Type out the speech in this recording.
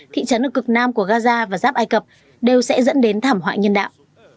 thị trấn ở cực nam của gaza và giáp ai cập đều sẽ dẫn đến thảm họa nhân đạo